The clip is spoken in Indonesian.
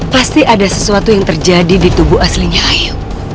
pasti ada sesuatu yang terjadi di tubuh aslinya ayu